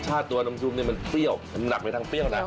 รสชาติตัวนมชุมนี่มันเปรี้ยวมันหนักไปทางเปรี้ยวนะ